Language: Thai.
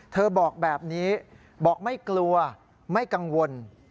บอกแบบนี้บอกไม่กลัวไม่กังวล